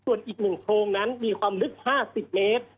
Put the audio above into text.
ส่วนอีก๑โพรงนั้นมีความลึก๕๐เมตร